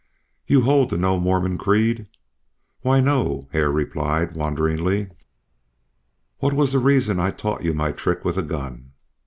"You hold to no Mormon creed?" "Why, no," Hare replied, wonderingly. "What was the reason I taught you my trick with a gun?"